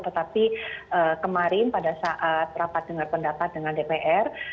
tetapi kemarin pada saat rapat dengar pendapat dengan dpr